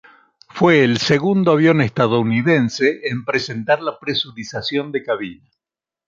Fue el segundo avión estadounidense en presentar la presurización de cabina.